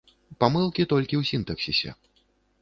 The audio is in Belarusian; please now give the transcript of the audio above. Памылкі толькі ў сінтаксісе.